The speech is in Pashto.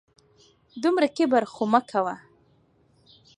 دومره کبر خو مه کوه